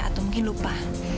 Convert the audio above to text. atau mungkin lupa